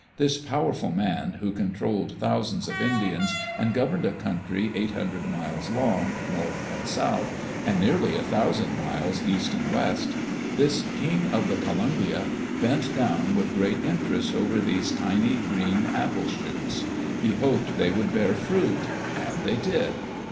This powerful man, who controlled thousands of Indians, and governed a country eight hundred miles long, north and south, and nearly a thousand miles east and west — this "King of the Columbia" bent down with great interest over these tiny green apple shoots. He hoped they would bear fruit, and they did.